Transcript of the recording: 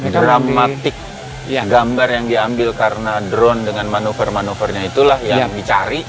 dramatik gambar yang diambil karena drone dengan manuver manuvernya itulah yang dicari